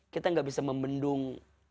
kita tidak bisa membendung